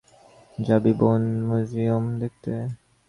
যাবি বোন, ম্যুজিয়ম দেখতে?